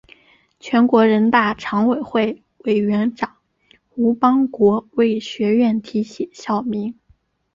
全国人大常委会委员长吴邦国为学院题写校名。